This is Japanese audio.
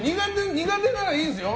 苦手ならいいんですよ。